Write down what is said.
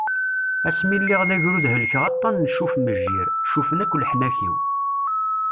Ass mi lliɣ d agrud helkeɣ aṭan n "Cuff-mejjir", cuffen akk leḥnak-iw.